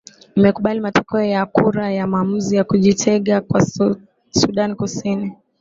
imekubali matokeo ya kura ya maamuzi ya kujitenga kwa sudan kusini